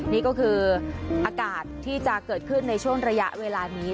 นี่ก็คืออากาศที่จะเกิดขึ้นในช่วงระยะเวลานี้